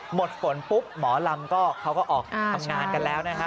หมดฝนปุ๊บหมอลำก็เขาก็ออกทำงานกันแล้วนะฮะ